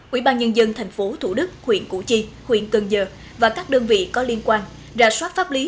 ubnd tp thủ đức huyện củ chi huyện cần giờ và các đơn vị có liên quan ra soát pháp lý